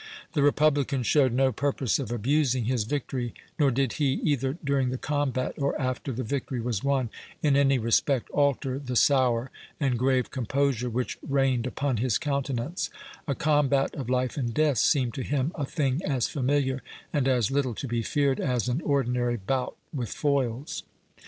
The republican showed no purpose of abusing his victory; nor did he, either during the combat, or after the victory was won, in any respect alter the sour and grave composure which reigned upon his countenance—a combat of life and death seemed to him a thing as familiar, and as little to be feared, as an ordinary bout with foils.